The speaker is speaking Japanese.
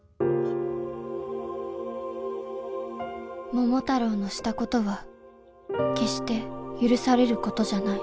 桃太郎のしたことは決して許されることじゃない。